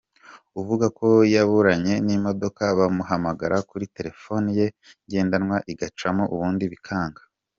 Uvuga ko yaburanye n’imodoka bamuhamagara kuri telefoni ye ngendanwa igacamo ubundi bikanga.